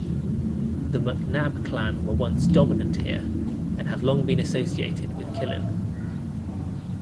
The MacNab Clan were once dominant here, and have long been associated with Killin.